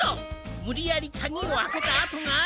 むりやりカギをあけたあとがある。